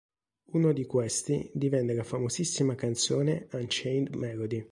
Uno di questi divenne la famosissima canzone "Unchained Melody".